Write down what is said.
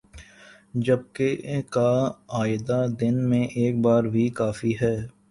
جبکہ کا اعادہ دن میں ایک بار بھی کافی ہے